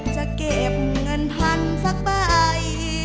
จะเก็บเงินพันธุ์สักไป